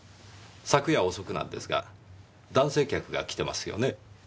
昨夜遅くなんですが男性客が来てますよね？